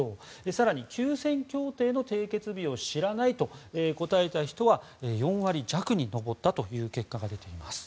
更に休戦協定の締結日を知らないと答えた人は４割弱に上ったという結果が出ています。